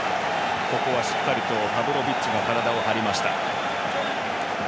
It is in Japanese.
ここはしっかりパブロビッチが体を張りました。